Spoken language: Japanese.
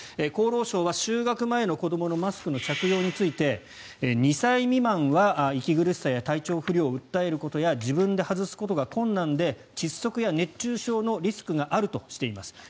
厚労省は就学前の子どものマスク着用について２歳未満は息苦しさや体調不良を訴えることや自分で外すことが困難で窒息や熱中症のリスクがあるとしています。